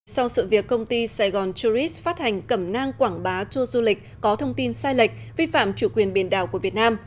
sau sự việc công ty sài gòn tourist phát hành cẩm nang quảng bá tour du lịch có thông tin sai lệch vi phạm chủ quyền biển đảo của việt nam